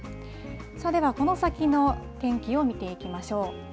ではこの先の天気を見ていきましょう。